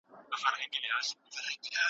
که خاوند نه غوښتل ګډ ژوند وکړي څه واک لري؟